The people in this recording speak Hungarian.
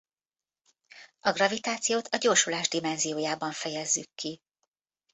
A gravitációt a gyorsulás dimenziójában fejezzük ki.